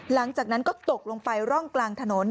หลังจากนั้นก็ตกลงไปร่องกลางถนน